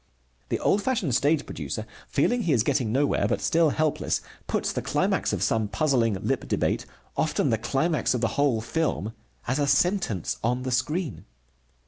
The old fashioned stage producer, feeling he is getting nowhere, but still helpless, puts the climax of some puzzling lip debate, often the climax of the whole film, as a sentence on the screen.